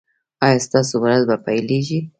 ایا ستاسو ورځ به پیلیږي؟